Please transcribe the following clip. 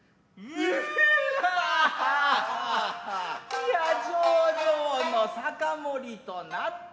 イヤ上々の酒盛となった。